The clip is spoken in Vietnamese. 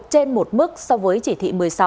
trên một mức so với chỉ thị một mươi sáu